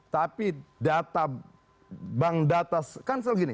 tapi bank data kan seperti gini